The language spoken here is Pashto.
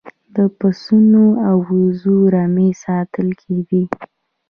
د پسونو او وزو رمې ساتل کیدې